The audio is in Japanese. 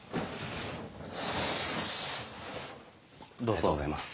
ありがとうございます。